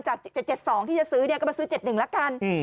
๗๗๒ที่จะซื้อก็มาซื้อ๗๑ละกัน